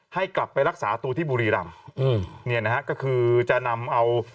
ให้กลับไปรักษาตัวที่บุรีรำอืมเนี่ยนะฮะก็คือจะนำเอา